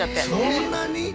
そんなに？